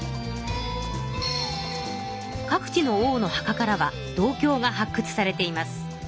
各地の王の墓からは銅鏡が発くつされています。